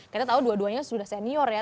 kita tahu dua duanya sudah senior ya